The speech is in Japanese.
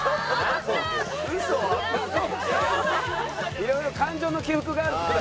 いろいろ感情の起伏がある子だから。